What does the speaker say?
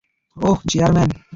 ওহ, chairman!